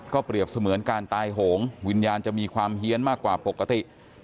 เปรียบเสมือนการตายโหงวิญญาณจะมีความเฮียนมากกว่าปกติ